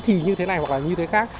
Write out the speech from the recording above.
thì như thế này hoặc là như thế khác